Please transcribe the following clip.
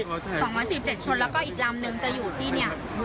สองร้อยสิบเจ็ดชนแล้วก็อีกลำนึงจะอยู่ที่เนี่ย